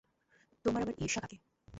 তোমার আবার ঈর্ষা কাকে?